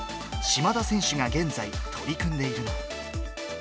島田選手が現在、取り組んでいるのは。